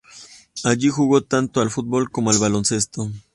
Allí jugó tanto al fútbol como al baloncesto.